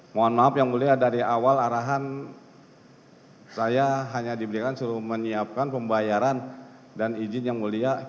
mohon maaf yang mulia dari awal arahan saya hanya diberikan suruh menyiapkan pembayaran dan izin yang mulia